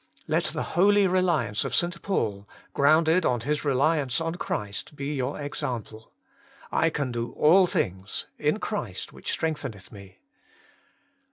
Let the holy self reliance of St. Paul, grounded on his reliance on Christ, be your example: I can do all things — in Christ which strengtheneth me.